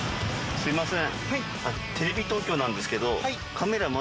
すみません。